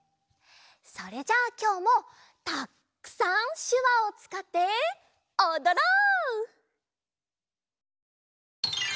それじゃあきょうもたっくさんしゅわをつかっておどろう！